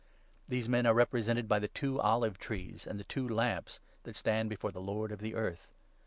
These men are repre sented by ' the two olive trees and the two lamps that stand before the Lord of the earth.'